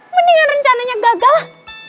mendingan rencananya gagal lah